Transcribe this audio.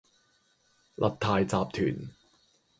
勒泰集團